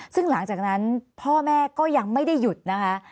ซึ่งหลังจากนั้นพ่อแม่ก็ยังไม่ได้หยุดนะคะ